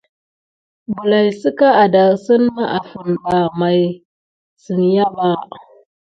Bəlay sika adasine mà afine ɓa may kusimaya pay.